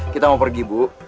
kita mau pergi bu